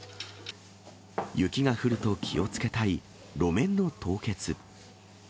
雪が降ると、気をつけたい路面の凍結。